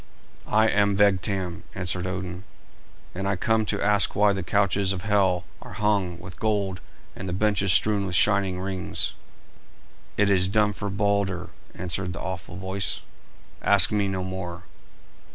"I am Vegtam," answered Odin, "and I come to ask why the couches of Hel are hung with gold and the benches strewn with shining rings?" "It is done for Balder," answered the awful voice; "ask me no more."